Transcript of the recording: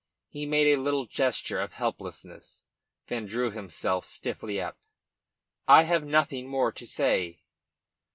He made a little gesture of helplessness, then drew himself stiffly up. "I have nothing more to say."